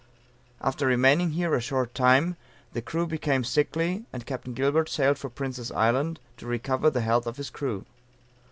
After remaining here a short time the crew became sickly and Capt. Gilbert sailed for Prince's Island to recover the health of his crew.